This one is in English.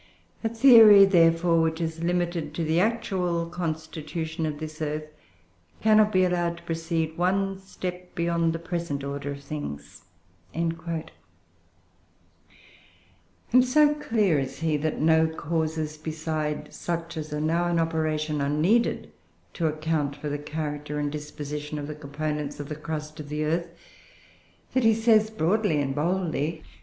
A theory, therefore, which is limited to the actual constitution of this earth cannot be allowed to proceed one step beyond the present order of things." [Footnote 3: Ibid., vol. i. p. 281.] And so clear is he, that no causes beside such as are now in operation are needed to account for the character and disposition of the components of the crust of the earth, that he says, broadly and boldly